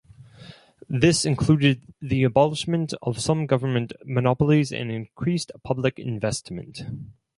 This included the abolishment of some government monopolies and increased public investment.